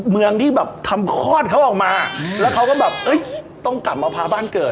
เมืองที่แบบทำคลอดเขาออกมาแล้วเขาก็แบบเอ้ยต้องกลับมาพาบ้านเกิด